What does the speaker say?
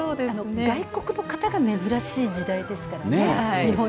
外国の方が珍しい時代ですからね。